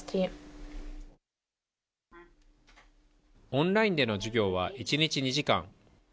オンラインでの授業は一日２時間。